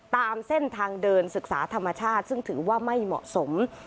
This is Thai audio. ตามเส้นทางเดินศึกษาธรรมชาติซึ่งถือว่าไม่เหมาะสม